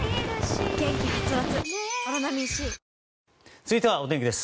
続いてはお天気です。